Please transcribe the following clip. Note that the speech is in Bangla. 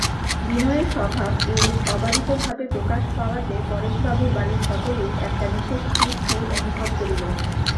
বিনয়ের স্বভাব এইরূপ অবারিতভাবে প্রকাশ পাওয়াতে পরেশবাবুর বাড়ির সকলেই একটা বিশেষ তৃপ্তি অনুভব করিল।